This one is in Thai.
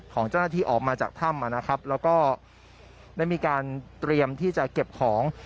ของเจ้าหน้าที่ออกมาจากถ้ำนะครับแล้วก็ได้มีการเตรียมที่จะเก็บของ